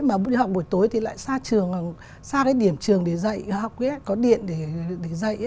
mà đi học buổi tối thì lại xa trường xa cái điểm trường để dạy có điện để dạy ấy